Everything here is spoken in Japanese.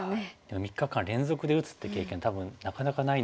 ３日間連続で打つっていう経験多分なかなかないので。